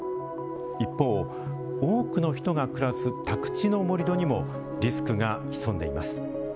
一方多くの人が暮らす宅地の盛土にもリスクが潜んでいます。